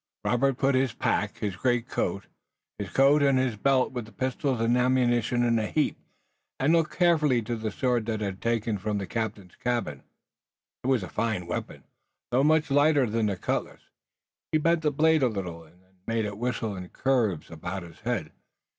Robert put his pack, his greatcoat, his coat, and his belt with the pistols and ammunition in a heap, and looked carefully to the sword that he had taken from the captain's cabin. It was a fine weapon, though much lighter than the cutlass. He bent the blade a little, and then made it whistle in curves about his head.